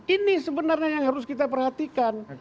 ini sebenarnya yang harus kita perhatikan